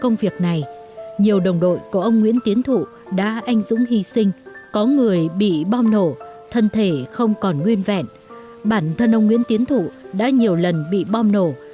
nguyễn tiến thủ đã vượt qua mọi khó khăn nguy hiểm